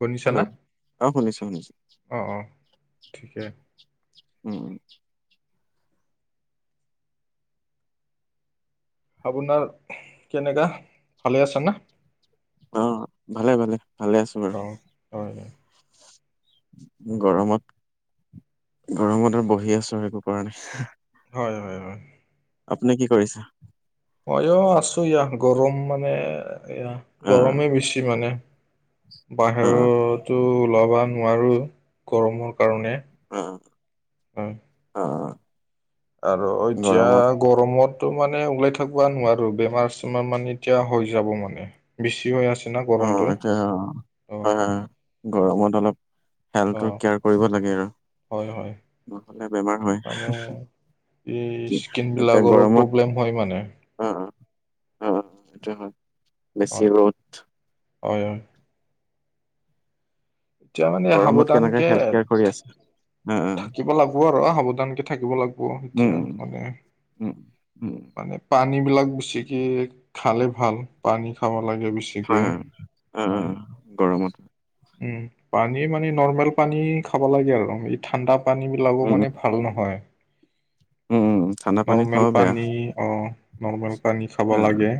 শুনিছা হেল্ল, না? অ, শুনিছোঁ শুনিছোঁ। অ' অ' ঠিকে। উম, উম, আপোনাৰ কেনেকুৱা, ভালে আছেনে? অ, ভালে ভালে। ভালে আছো বাৰু অ, হয় হয়। গৰমত, গৰমত আৰু বহি আছোঁ, একো কৰা নাই। হয় হয় হয়। আপুনি কি কৰিছে? মইয়ো আছো এয়া, গৰম মানে এয়া অ গৰমে বেছি মানে। অ বাহিৰতো ওলাব নোৱাৰোঁ, গৰমত। কাৰণে অ উম, অ, আৰু এতিয়া গৰমত গৰমতো মানে ওলাই থাকিব নোৱাৰোঁ, বেমাৰ-চেমাৰ মানে এতিয়া হৈ যাব মানে। বেছি হৈ আছে। না অ, গৰমটো। এতিয়া অ, অ' হয় হয় গৰমত অলপ হেল্থৰ অ' কেয়াৰ কৰিব লাগে আৰু। হয় হয়। নহ'লে বেমাৰ মানে হয়, এই কি স্কিন এতিয়া বিলাকৰো গৰমত প্ৰব্লেম হয় মানে। অ, অ, অ, সেইটো হয় হয় বেছি ৰ'দ হয় হয়। এতিয়া মানে গৰমত সাৱধান কেনেকে কে, হেল্থ কেয়াৰ কৰি আছে অ অ থাকিব লাগিব। [inaudible] সাৱধানকে থাকিব লাগিব, উম এতিয়া উম মানে। উম উম মানে পানী বিলাক বেছিকে, খালে ভাল। পানী খাব লাগে বেছি। হয় হয়, অ, অ, গৰমত। উম, পানী মানে নৰ্মেল পানী খাব লাগে আৰু। ঠাণ্ডা পানী বিলাকো উম উম মানে ভাল নহয়, উম, উম, উম, ঠাণ্ডা পানী নৰ্মেল খোৱাও বেয়া। পানী অ, নৰ্মেল পানী খাব অ', লাগে,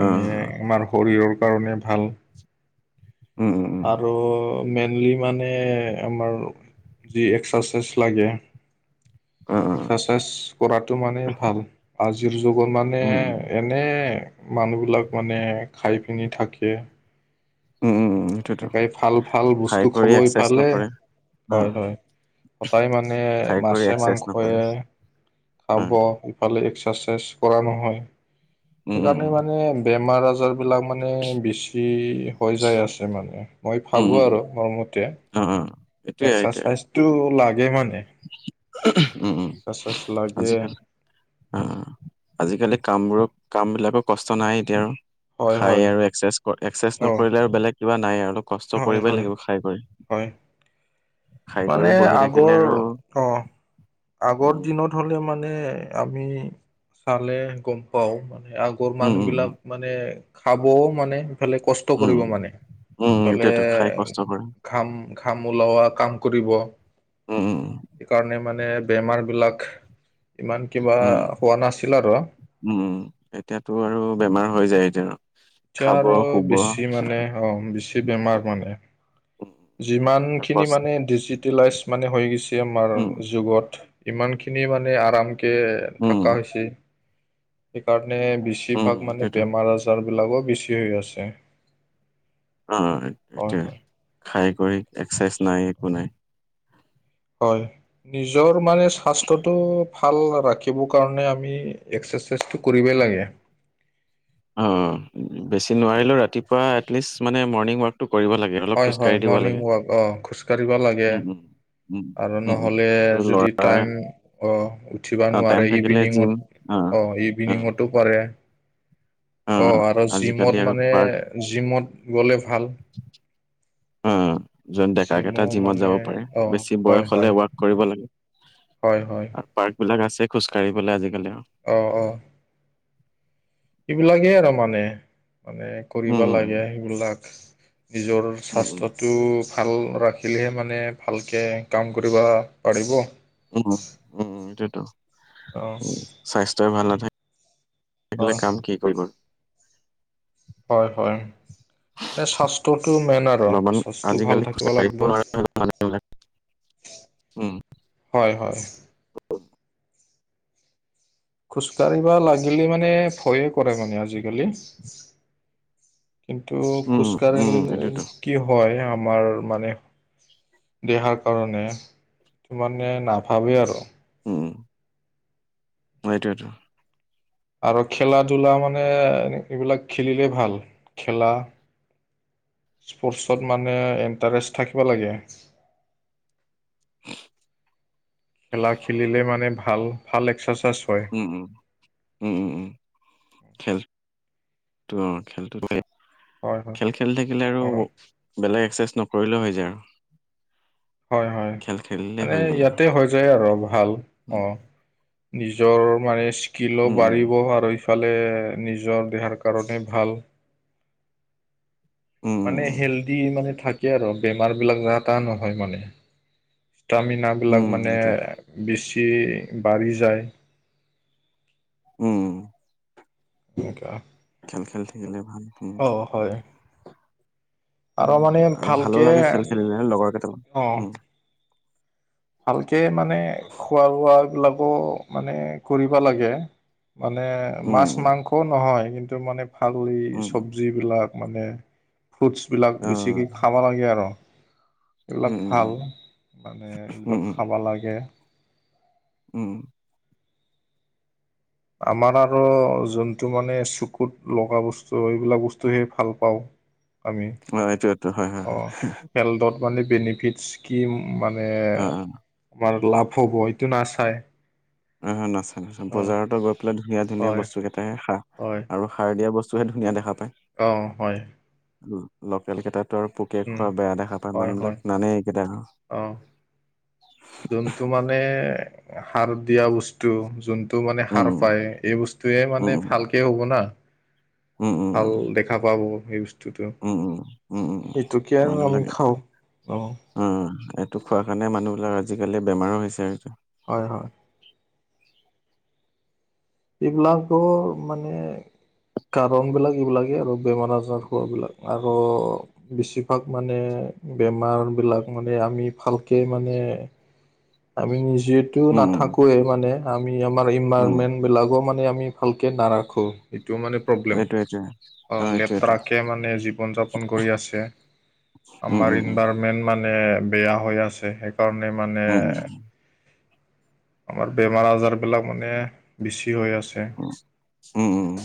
মানে অ', আমাৰ শৰীৰৰ কাৰণে ভাল। উম, উম, উম, আৰু মেইনলি মানে, আমাৰ যি এক্সাৰচাইজ লাগে, অ', অ', এক্সাৰচাইজ কৰাতটো মানে ভাল। আজিৰ যুগত মানে উম, উম, এনে মানুহ বিলাক মানে, খাই পিনি থাকে। উম, উম, উম, সেইটোৱেতো। এনেকাই, ভাল ভাল খাই বস্তু কৰি খাব এক্সাৰচাইজ ইফালে। নকৰে, হয়, অ', হয়, সদায় মানে খাই কৰি মাছে, এক্সাৰচাইজ মাংসই। নকৰে, খাব হয়, ইফালে এক্সাৰচাইজ কৰা নহয়, উম, উম, সেইকাৰণে মানে বেমাৰ-আজাৰ সেইবিলাক মানে, বেছি হৈ যায় আছে মানে, মই উম, ভাবো আৰু মোৰমতে। উম, উম, এইটোৱে, এইটোৱে, এক্সাৰচাইজতটো ও, লাগে মানে। উম, এক্সাৰচাইজ লাগে আজিকালি। উম, আজিকালি কামবোৰক কাম বিলাকৰ কষ্ট নাই এতিয়া আৰু। হয় খাই হয় আৰু একচেছ ক, একচছ অ নকৰিলে আৰু বেলেগ কিবা নাই আৰু। কষ্ট হয় কৰিবই হয় লাগিব, খাই কৰি। হয়। খাই কৰি মানে বহি থাকিলে আগৰ আৰু অ, আগৰ উম, দিনত হ'লে মানে আমি চালে গম পাওঁ, মানে আগ আগৰ উম, উম, উম, মানুহবিলাক মানে খাবওঁ মানে, ইফালে কষ্ট উম, উম, কৰিব মানে। উম, ফালে সেইটোৱেতো খাই কষ্ট কৰে, ঘাম, ঘাম ওলোৱা কাম কৰিব। উম। সেইকাৰণে মানে বেমাৰবিলাক ইমান কিবা উম। হোৱা নাছিল আৰু। উম, এতিয়াটো আৰু বেমাৰ হৈ যায় এতিয়া আৰু। এতিয়া খাব, আৰু শুব বেছি মানে অ', বেছি বেমাৰ মানে। উম, যিমানখিনি কষ্ট মানে ডিজি ইউটিলাইজ মানে হৈ গৈছে আমাৰ উম, যুগত, ইমানখিনি মানে আৰামকে উম, থাকা হৈছে, সেইকাৰণে উম, বেছিভাগ মানে এইটোৱেতো বেমাৰ আজাৰ বিলাকক বেছি হৈ আছে। অ', হয় এইটোয়ে হয় খায় কৰি এক্সাৰচাইজ নাই, একো নাই। হয়। নিজৰ মানে স্বাস্থ্যটো ভাল ৰাখিব কাৰণে আমি এক্সেচাইজটো কৰিবই লাগে। অ', বেছি নোৱাৰিলেও ৰাতিপুৱা এটলিষ্ট মানে মৰ্ণিং ৱাকটো কৰিব লাগ হয়, হয় মৰ্ণিং ৱাক অ', খোজকাঢ়িব লাগে। উম, উম, উম, আৰু উম, উম, নহ'লে আৰু যদি ল'ৰা টাইম অ', উঠিবা অ', টাইম নোৱাৰে, থাকিলে জিম ইভিনিঙত। অ', অ', ইভিনিঙতো পাৰে। অ', আৰু আজিকালি জিমত আৰু মানে পাৰ্ক জিমত গ'লে ভাল। অ', যোন জিমো ডেকাকেটা জিমত মানে যাব পাৰে, অ বেছি হয় বয়স হয় হ'লে ৱৰ্ক কৰিব লাগে। হয়, হয়। পাৰ্কবিলাক আছে, খোজ কাঢ়িবলৈ আজিকালি। অ', অ'। সিবিলাকেই আৰু মানে, মানে কৰিব উম লাগে সেইবিলাক নিজৰ উম উম স্বাস্থ্যটো ভাল ৰাখিলেহে মানে ভালকে কাম কৰিব পাৰিব। উম, উম, এইটোয়েটো অ'। স্বাস্থ্যই ভাল নাথাকিলে হয় কাম কি কৰিব। হয়, হয়। মানে স্বাস্থ্যটো মেইন আৰু অলপমান স্বাস্থ্যটো আজিকালি ভাল খোজ থাকিব কাঢ়িব লাগব। নোৱাৰা হৈ গ'ল মানুহবিলাক উম হয়, হয়। খোজকাঢ়িবা লাগিলে মানে ভয়ে কৰে মানে আজিকালি। কিন্তু উম খোজ উম কাঢ়িলে এইটোতো কি হয়, আমাৰ মানে দেহাৰ কাৰণে তামানে নাভাবে আৰু। উম। হেইটোয়েটো। আৰু খেলা ধূলা মানে, এইবিলাক খেলিলে ভাল খেলা। স্পৰ্টছত মানে এণ্টাৰেষ্ট থাকিব লাগে। [inaudible] খেলা খেলিলে মানে ভাল, ভাল এক্সেচাইজ হয়। উম, উম, উম, উম, উম, খেলটো অ', খেলটো হয় [inaudible] হয় খেল খেলি থাকিলে আৰু অ বেলেগ এক্সাচাইজ নকৰিলেও হৈ যায় আৰু। হয়, হয়, খেল খেলিলে মানে হৈ গ'ল আৰু ইয়াতে হৈ যায় আৰু ভাল অ'। নিজৰ মানে স্কিলো উম উম উম বাঢ়িব আৰু সিফালে নিজৰ দেহাৰ কাৰণে ভাল। উম মানে উম হেল্ডি মানে থাকে আৰু, বেমাৰ বিলাক যা তা নহয় মানে। সেইটো আমি না উম বিলাক উম মানে এইটোৱেতো বেছি বাঢ়ি যায়। উম। এনেকা খেল খেলি থাকিলে ভাল। উম অঁ হয়। উম আৰু মানে আৰু ভালো ভালকে লাগে খেল খেলিলে লগৰ কেইটামান অ'। উম ভালকে মানে খোৱা লোৱা বিলাকো মানে কৰিব লাগে। মানে মাছ উম মাংসও নহয়, কিন্তু মানে ভাল এই উম উম চব্জি বিলাক মানে ফ্ৰুটছবিলাক অ বেছিকে খাব লাগে আৰু। এইবিলাক উম ভাল, উম মানে উম এইবিলাক উম খাব লাগে। উম। আমাৰ আৰু যোনটো মানে চকুত লগা বস্তু এইবিলাক বস্তুহে ভাল পাওঁ। আমি হয়, সেইটোৱে। এইটো অঁ হেল্থত মানে বনিফিট স্কিম মানে অ আমাৰ লাভ হ'ব এইটো নাচায়। অ' নাচায় নাচয়, অ বজাৰতে গৈ পেলাই ধুনীয়া ধুনীয়া হয় বস্তু কেইটাহে সা হয় আৰু সাৰ দিয়া বস্তুহে ধুনীয়া দেখা পায়। অঁ হয়। লোকেল কেইটাতো আৰু পোকে উম খোৱা বেয়া দেখা পায় হয় মানুহ হয় বিলাক নানেই এইকেইটা আৰু। অ যোনটো মানে সাৰ দিয়া বস্তু, যোন মানে সাৰ উম পায় এই বস্তুয়ে মানে উম ভালকে হ'ব না। উম উম ভাল দেখা পাওঁ বহু সেই বস্তুটো, উম উম উম উম এইটোকে আৰু মানুহ আমি লাগে খাওঁ অ'। অ' এইটো খোৱাৰ কাৰণে মানুহবিলাক আজিকালি বেমাৰো হৈছে আৰু। হয়, হয়। এইবিলাকো মানে কাৰণবিলাক এইবিলাকেই আৰু বেমাৰ আজাৰ হোৱাবিলাক। আৰু বেছিভাগ মানে বেমাৰ বিলাক মানে আমি ভালকে মানে আমি নিজেটো উম উম নাথাকোয়ে মানে আমি আমাৰ উম, ইনভাৰমেন্ট বিলাকো মানে আমি ভালকে নাৰাখো। এইটো মানে প্ৰব্লেম। এইটো এইটোৱে অ এইটো এইটো লেট্ৰাকে মানে জীৱন যাপন কৰি আছে। উম, আমাৰ উম, উম, ইনভাইৰমেন্ট মানে বেয়া হৈ আছে। সেইকাৰণে মানে উম, আমাৰ বেমাৰ আজাৰবিলাক মানে বেছি হৈ আছে। উম, উম, উম,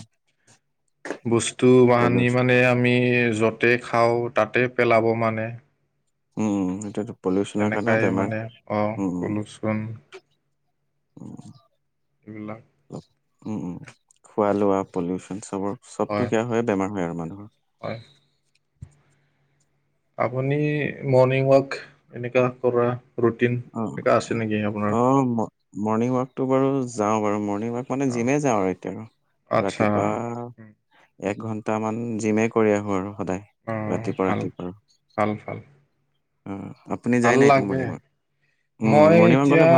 বস্তু বাহানি পলিউচ মানে আমি য'ত তেই খাওঁ তাতে পেলাব মানে। উম, সেইটোৱেইটো, পলিউচনৰ কাৰণে এনেকাই বেমাৰ মানে অঁ উম। পলুচন উম। এইবিলাক। অলপ, উম উম। খোৱা লোৱা পলিউচন চবৰ চবটো হয় সেইয়া হৈ বেমাৰ হয় আৰু মানুহৰ। হয়। আপুনি মৰ্ণিং ৱাক এনেকুৱা কৰা ৰুটিন এনেকুৱা আছে নেকি আপোনাৰ? অলপ ম মৰ্ণিং ৱাকটো বাৰু যাওঁ বাৰু, মৰ্ণিং ৱাক মানে অঁ জিমেই যাওঁ আৰু এতিয়া আৰু। আচ্ছা ৰাতিপুৱা এক ঘন্টামান জিমে কৰি আহো আৰু সদায় অঁ ৰাতিপুৱা ভাল ৰাতিপুৱা। ভাল ভাল। অ আপুনি ভাল যায় নাই নে এতিয়া লাগে মৰ্নিং ৱাকত। মই এতিয়া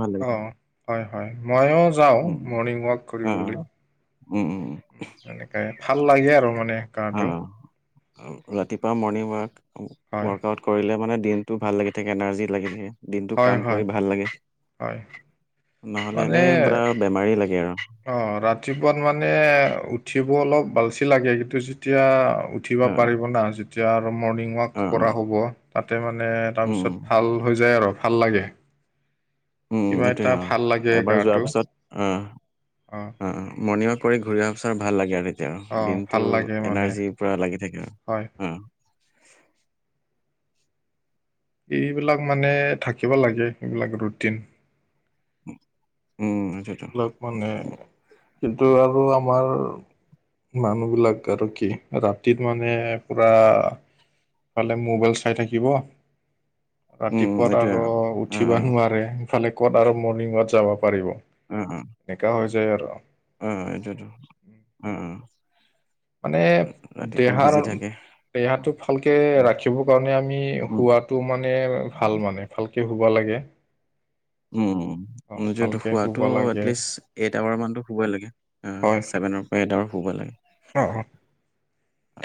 ভাল লাগে অহ হয় হয় ময়ো যাওঁ উম, মৰ্ণিং ৱাক অ', কৰিবলৈ। উম উম। এনেকাই ভাল লাগে আৰু মানে গাটো। আৰু ৰাতিপুৱা মৰ্ণিং ৱাক হয়। ৱাক কৰিলে মানে দিনটো ভাল লাগি থাকে এনাৰজি লাগি থাকে। দিনটো হয় কাম হয় কৰি ভাল লাগে হয় নহলে এনে পুৰা বেমাৰী লাগে আৰু। অ ৰাতিপুৱাত মানে উঠিব অলপ আলচি লাগে কিন্তু যেতিয়া উঠিব অ পাৰিব না যেতিয়া আৰু মৰ্ণিং অ ৱাক অ কৰা হ'ব। তাতে মানে উম তাৰপিছত উম ভাল হৈ যায় আৰু ভাল লাগে। উম কিবা এইটোৱে এটা অ ভাল এবাৰ যোৱাৰ পিছত আহ। অ। অহ অহ মৰ্নিং ৱাক কৰি ঘূৰি অহাৰ পাছত ভাল লাগে আৰু। এতিয়া অঁ ভাল লাগে দিনতটো মানে এনাৰ্জি পোৰা লাগি থাকে হয় আৰু অ। এইবিলাক মানে থাকিব লাগে এইবিলাক ৰুটিন। উম। সেইটোৱেতো এইবিলাক মানে উম কিন্তু আৰু আমাৰ মানুহ বিলাক আৰু কি ৰাতিত মানে পুৰা এফালে মোবাইল চাই থাকিব। উম ৰাতিপুৱাত এইটোৱে আৰু অ উঠিব অ নোৱাৰে ইফালে ক'ত আৰু মৰ্ণিং ৱাক যাব পাৰিব। অ [unintelligible] অ। বেকা হৈ যায় আৰু। অ এইটোৱেটো অহ অহ। মানে দেহাৰ বিজি থাকে দেহাটো ভালকে উম ৰাখিবৰ কাৰণে আমি উম শোৱাটো মানে ভাল মানে। ভালকে শুব লাগে। উম অ উম এইটো ভালকে শুব শোৱাটো লাগে এটলিষ্ট এইট আৱাৰ মানতো শুবই লাগে। অ চভেনৰ পৰা এইট আৱাৰ শুবই লাগে। অহ।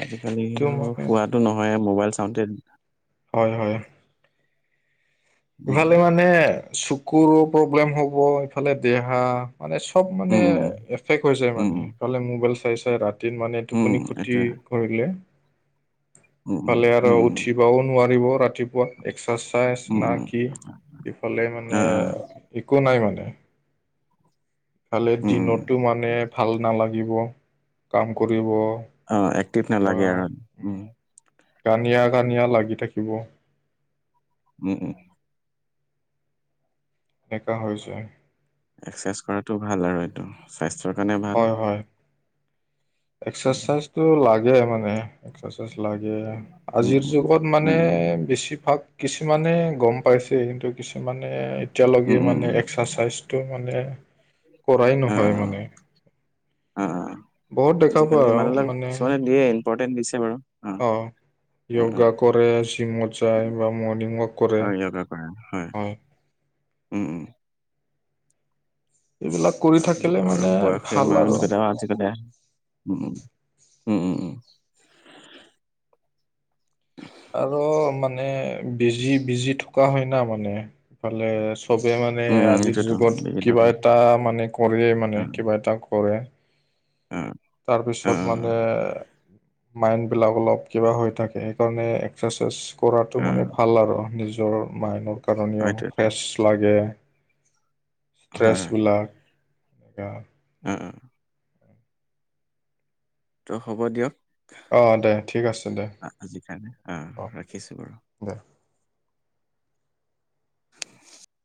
আজিকালি মানে শোৱাটো নহয় মোবাইল চাওঁতে হয় হয়। উম, ইফালে মানে চকুৰো প্ৰব্লেম হ'ব ইফালে দেহা। মানে চব মানে উম, উম, এফেক হৈ যায় উম, মানে উম, অকলে মোবাইল চাই চাই ৰাতি। মানে উম, টোপনি খতি এইটোৱে কৰিলে উম, উম, ইফালে আৰু উম, উঠিবও নোৱাৰিব ৰাতিপুৱা এক্সাৰচাইজ উম, না উম, কি ইফালে অ', মানে অ', একো নাই মানে। ইফালে উম, উম, দিনতো মানে ভাল নালাগিব কাম কৰিব। অ এক্টিভ বা নালাগে আৰু উ। উম, কানিয়া কানিয়া লাগি থাকিব। উম উম। ডেকা হৈ যায়। এক্সেচাইজ কৰাটো ভাল আৰু এইটো স্বাস্থ্যৰ কাৰণে ভাল। উম, এক্সেচাইজটো লাগে মানে এক্সেচাইজ লাগে। উম, আজিৰ যুগত মানে উম, বেছিভাগ কিছুমানে গম পাইছে, কিন্তু কিছুমানে এতিয়ালৈকে উম, উম, মানে উম, এক্স [unintelligible] চাইজটো মানে কৰাই নহয় মানে। আ, বহুত দেখা আজি-কালি পাওঁ আৰু মানুহবিলাক মানে কিছুমানে দিয়ে ইম্পৰ্টেণ্ট দিছে বাৰু, অ'। অ', অ'। য়গা কৰে, শ্ৰীমত যায় বা মৰ্ণিং ৱাক কৰে। আৰু য়োগা কৰা হয়। উম, উম। এইবিলাক কৰি আত-ব থাকিলে আৰু মানে বয়সীয়াল ভাল আৰু মানুহকিটাও আজি-কালি, উম, উম। উম, উম, উম। আৰু মানে বিজি, বিজি থকা হয় ন মানে। ইফালে চবে মানে উম, উম, আজিৰ এইটোৱেতো যুগত বিজি থকা কিবা এটা মানে কৰেই মানে কিবা এটা কৰে। উ তাৰপিছত মানে মাইণ্ডবিলাক অলপ কিবা হৈ থাকে সেইকাৰণে এক্সেচাইজ কৰাটো মানে ভাল আৰু নিজৰ মাইনৰ অ', কাৰণেও এইটোৱেতো ফ্ৰেছ লাগে। হয়, ষ্ট্ৰেছবিলাক এইয়া উ, উ। ত' হ'ব দিয়ক অ দে ঠিক আছে দে আ-আজি কাৰণে, অ' ৰাখিছো বাৰু। দে